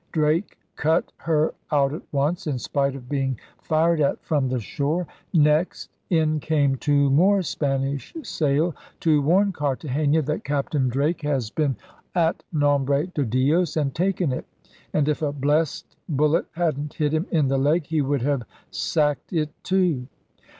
Drake cut her out at once, in spite of being fired at from the shore. Next, in came two more Spanish sail to warn Cartagena that 'Captain Drake has been DRAKE'S BEGINNING 109 at Nombre de Dios and taken it, and if a blest bullet hadn't hit him in the leg he would have sacked it too.